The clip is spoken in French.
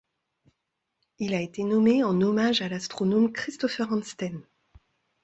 Il a été nommé en hommage à l'astronome Christopher Hansteen.